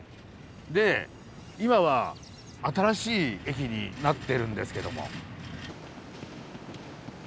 で今は新しい駅になってるんですけども。